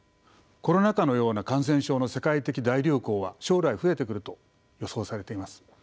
コロナ禍のような感染症の世界的大流行は将来増えてくると予想されています。